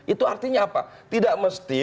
itu artinya apa tidak mesti